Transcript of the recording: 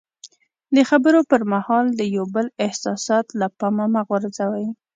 د خبرو پر مهال د یو بل احساسات له پامه مه غورځوئ.